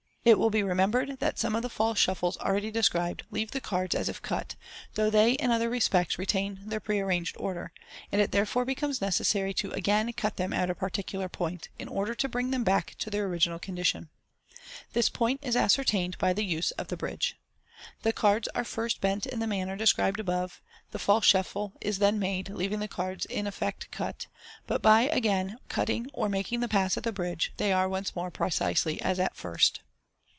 It will be remembered that some of the false shuffles already described leave the cards as if cut, though they in other respects retain their pre arranged order j and it therefore becomes nenessarv 4* MODERN MAGIC. to again cut them at a particular point, in order to bring them back to their original condition. This point is ascertained by the use ol the bridge. The cards are first bent in the manner above described j the false shuffle is then made, leaving the cards in effect cut ; but by again cutting or making the pass at the bridge, they are once more precisely as at first.